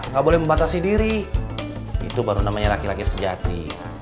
gak boleh membatasi diri itu baru namanya laki laki sejati